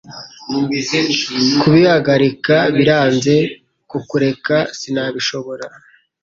Kubihagarika biranze Kukureka Sinabishobora